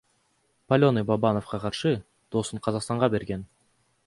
Паленый Бабановго каршы доосун Казакстанда берген.